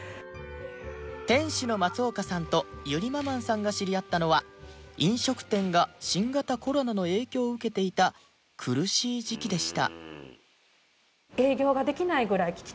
店主の松岡さんとゆりママんさんが知り合ったのは飲食店が新型コロナの影響を受けていた苦しい時期でした